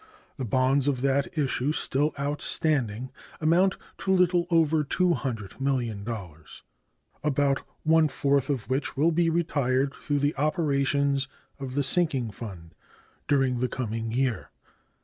The bonds of that issue still outstanding amount to little over $200,000,000, about one fourth of which will be retired through the operations of the sinking fund during the coming year.